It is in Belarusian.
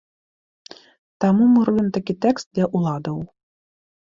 Таму мы робім такі тэст для ўладаў.